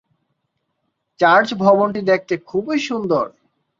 Church ভবনটি দেখতে খুবই সুন্দর।